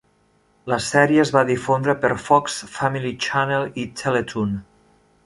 La sèrie es va difondre per Fox Family Channel i Teletoon.